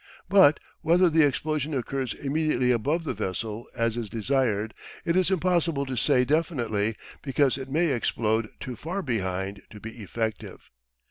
But whether the explosion occurs immediately above the vessel as is desired, it is impossible to say definitely, because it may explode too far behind to be effective.